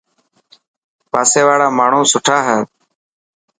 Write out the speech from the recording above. پاسي واڙا ماڻهو سٺا هي.